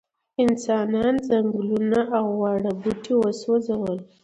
انسانانو ځنګلونه او واړه بوټي وسوځول.